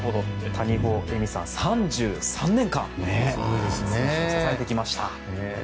谷保恵美さん、３３年間選手を支えてきました。